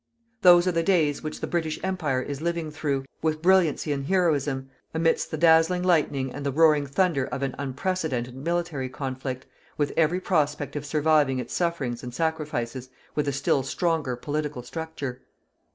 Those are the days which the British Empire is living through, with brilliancy and heroism, amidst the dazzling lightning and the roaring thunder of an unprecedented military conflict, with every prospect of surviving its sufferings and sacrifices with a still stronger political structure.